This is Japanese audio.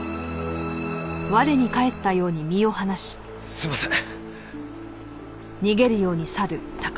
すみません。